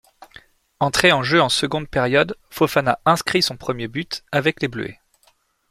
Entré en jeu en seconde période, Fofana inscrit son premier but avec les bleuets.